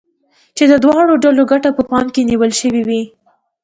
چې د دواړو ډلو ګټه په پام کې نيول شوې وي.